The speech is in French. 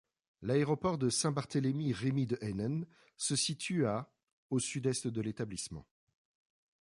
L'aéroport de Saint-Barthélémy-Rémy-de-Haenen se situe à au sud-est de l'établissement.